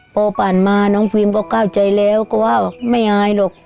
โปรปัญมาน้องฟิร์มก็เข้าใจแล้วก็ว่าไม่อายหรอก